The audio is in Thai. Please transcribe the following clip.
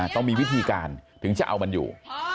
ต้องมีวิธีการถึงจะเอามันอยู่